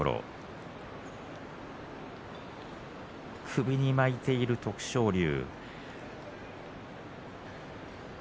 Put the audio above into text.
首に巻いている徳勝龍。